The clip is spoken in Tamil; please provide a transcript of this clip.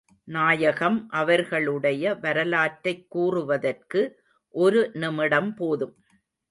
நாயகம் அவர்களுடைய வரலாற்றைக் கூறுவதற்கு ஒரு நிமிடம் போதும்.